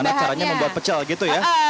gimana caranya membuat pecel gitu ya